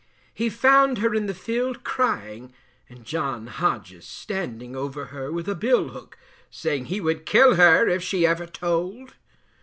He found her in the field crying, and John Hodges standing over her with a bill hook, saying he would kill her if she ever told.